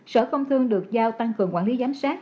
sở công thương được giao tăng cường quản lý giám sát